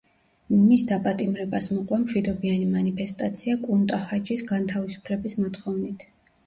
მის დაპატიმრებას მოყვა მშვიდობიანი მანიფესტაცია კუნტა–ჰაჯის განთავისუფლების მოთხოვნით.